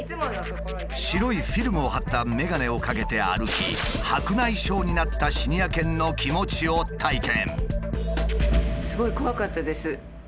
白いフィルムを貼った眼鏡をかけて歩き白内障になったシニア犬の気持ちを体験。